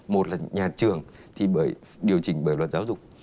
một là nhà trường thì điều chỉnh bởi luật giáo dục